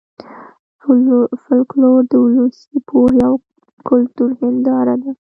فولکلور د ولسي پوهې او کلتور هېنداره ده